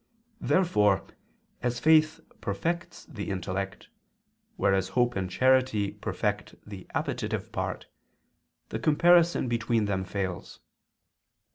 Therefore, as faith perfects the intellect, whereas hope and charity perfect the appetitive part, the comparison between them fails.